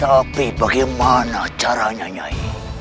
tapi bagaimana caranya nyai